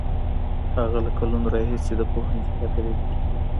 هغه له کلونو راهیسې د پوهنځي خاطرې لیکي.